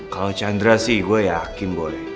kalo chandra sih gue yakin boy